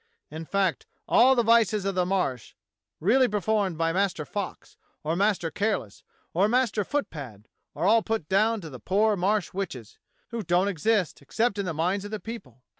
In fact all the vices of the Marsh, really performed by Master Fox, or ]\Iaster Careless, or Master Footpad, are all put down to the poor Marsh witches, who don't exist except in the minds of the people.